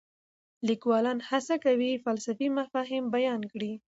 لیکوالان هڅه کوي فلسفي مفاهیم بیان کړي.